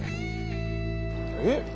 えっ？